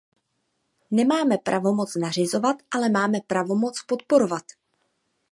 Nemáme pravomoc nařizovat, ale máme pravomoc podporovat.